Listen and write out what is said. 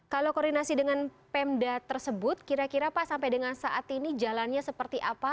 kalau koordinasi dengan pemda tersebut kira kira pak sampai dengan saat ini jalannya seperti apa